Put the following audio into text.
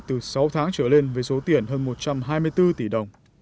từ sáu tháng trở lên với số tiền hơn một trăm hai mươi bốn tỷ đồng